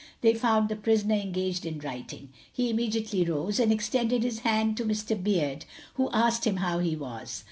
They found the prisoner engaged in writing. He immediately rose, and extended his hand to Mr. Beard, who asked him how he was.